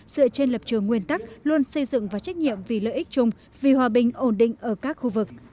dựa trên lập trường nguyên tắc luôn xây dựng và trách nhiệm vì lợi ích chung vì hòa bình ổn định ở các khu vực